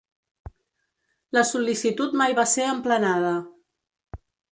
La sol·licitud mai va ser emplenada.